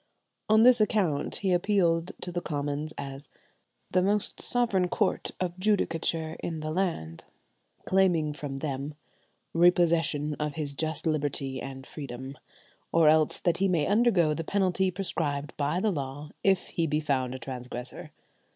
On this account he appealed to the Commons "as the most sovereign Court of Judicature in the land," claiming from them, "repossession of his just liberty and freedom, or else that he may undergo the penalty prescribed by the law if he be found a transgressor."